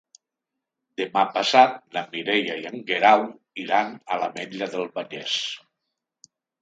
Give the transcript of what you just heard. Demà passat na Mireia i en Guerau iran a l'Ametlla del Vallès.